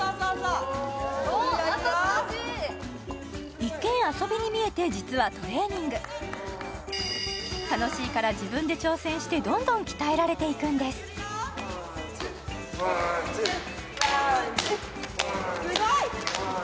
一見遊びに見えて実はトレーニング楽しいから自分で挑戦してどんどん鍛えられていくんですすごい！